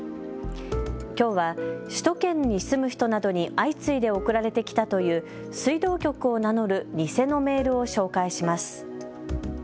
きょうは首都圏に住む人などに相次いで送られてきたという水道局を名乗る偽のメールを紹介します。